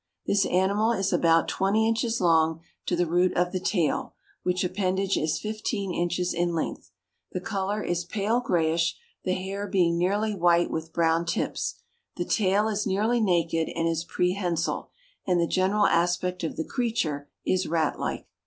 This animal is about twenty inches long to the root of the tail, which appendage is fifteen inches in length. The color is pale grayish, the hair being nearly white with brown tips. The tail is nearly naked, and is prehensile; and the general aspect of the creature is rat like.